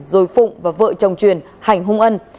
rồi phụng và vợ chồng truyền hành hung ân